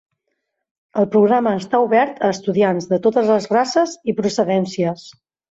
El programa està obert a estudiants de totes les races i procedències.